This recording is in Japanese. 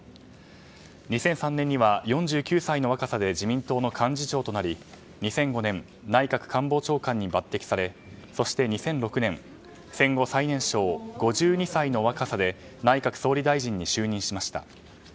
２００３年には４９歳の若さで自民党の幹事長となり２００５年内閣官房長官に抜擢されそして２００６年戦後最年少、５２歳の若さで内閣総理大臣に就任しました。